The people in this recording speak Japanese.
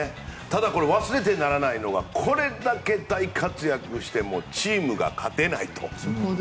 ただ、忘れてはならないのがこれだけ大活躍してもチームが勝てないと。